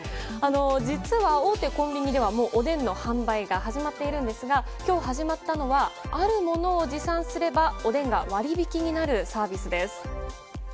実は、大手コンビニではおでんの販売が始まっているんですが今日始まったのはあるものを持参すればおでんが割引になるサービスです。